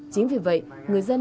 chính vì vậy người dân